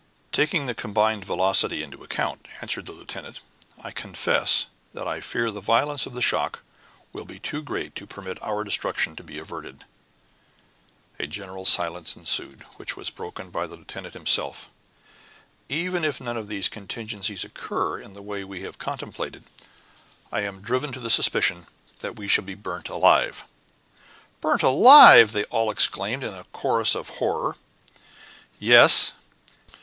"Taking the combined velocity into account," answered the lieutenant, "I confess that I fear the violence of the shock will be too great to permit our destruction to be averted." A general silence ensued, which was broken by the lieutenant himself. "Even if none of these contingencies occur in the way we have contemplated, I am driven to the suspicion that we shall be burnt alive." "Burnt alive!" they all exclaimed in a chorus of horror. "Yes.